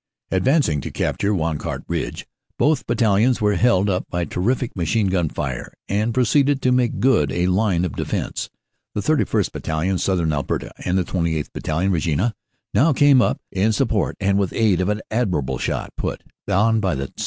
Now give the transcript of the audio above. Advancing to capture Wancourt Ridge, both battalions were held up by terrific machine gun fire, and proceeded to make good a line of defense. The 31st. Battalion, Southern Alberta, and the 28th. Battalion, Regina, now came up in sup port, and with aid of an admirable shoot put on by the 2nd.